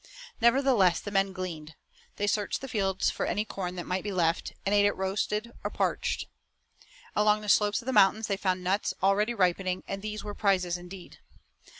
Nevertheless the men gleaned. They searched the fields for any corn that might be left, and ate it roasted or parched. Along the slopes of the mountains they found nuts already ripening, and these were prizes indeed.